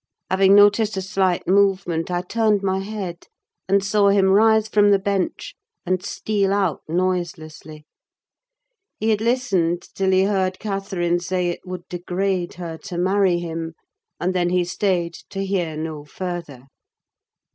Having noticed a slight movement, I turned my head, and saw him rise from the bench, and steal out noiselessly. He had listened till he heard Catherine say it would degrade her to marry him, and then he stayed to hear no further.